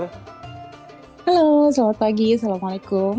halo selamat pagi assalamualaikum